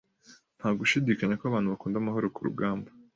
Nta gushidikanya ko abantu bakunda amahoro kurugamba.